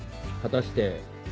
果たして。